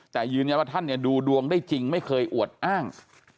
แต่ยืนยันว่าท่านดูดวงได้จริงไม่เคยอวดอ้าง